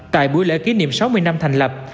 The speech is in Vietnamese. tại buổi lễ kỷ niệm sáu mươi năm thành lập